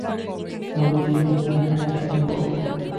মধুসূদন বললে, হাঁ শুনব।